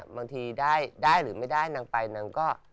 บางทีได้หรือไม่ได้นางไปนางก็